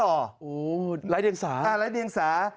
โอ้รายเรียงสาอ่ารายเรียงสา